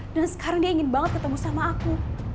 dan sekarang dia ingin banget ketemu sama aku